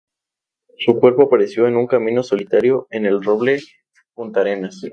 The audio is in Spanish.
Su cuerpo apareció en un camino solitario en El Roble, Puntarenas.